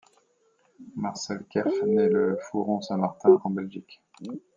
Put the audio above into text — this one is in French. Marcel Kerff naît le à Fouron-Saint-Martin en Belgique.